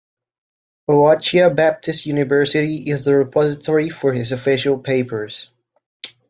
Ouachita Baptist University is the repository for his official papers.